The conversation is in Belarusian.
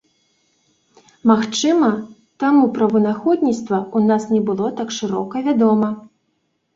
Магчыма, таму пра вынаходніцтва ў нас не было так шырока вядома.